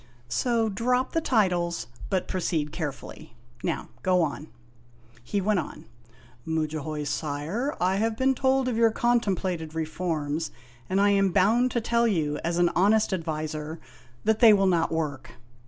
" So drop the titles, but proceed carefully. Now go on." He went on: "Mudjahoy, sire, I have been told of your con templated reforms, and I am bound to tell you, as an honest ad viser, that they will not work.